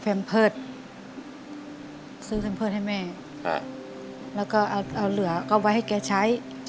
เพ็มเพิศซื้อเพ็มเพิศให้แม่อ่ะแล้วก็เอาเหลือก็ไว้ให้แกใช้